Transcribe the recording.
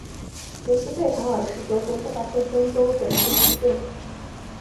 德斯佩塔尔是德国下萨克森州的一个市镇。